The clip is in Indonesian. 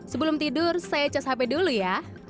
sebelum tidur saya cas hp dulu ya